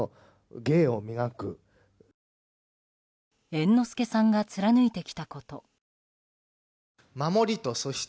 猿之助さんが貫いてきたこと。